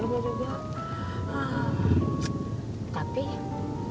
tapi sebelum januarku ini eh